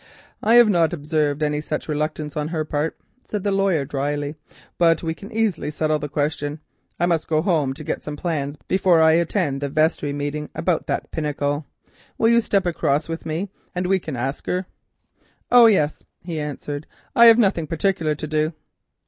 "I have not observed any such reluctance on her part," said the lawyer dryly, "but we can easily settle the question. I must go home and get some plans before I attend the vestry meeting about that pinnacle. Will you step across with me and we can ask her?" "Oh yes," he answered. "I have nothing particular to do."